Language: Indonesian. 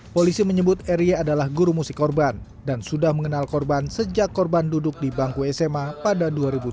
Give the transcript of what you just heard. polisi menyebut ry adalah guru musik korban dan sudah mengenal korban sejak korban duduk di bangku sma pada dua ribu tujuh belas